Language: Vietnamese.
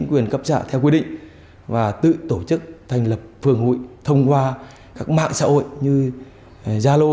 quyền cấp xã theo quy định và tự tổ chức thành lập phường hội thông qua các mạng xã hội như zalo